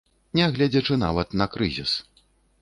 Нягледзячы нават на крызіс.